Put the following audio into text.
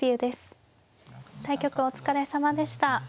対局お疲れさまでした。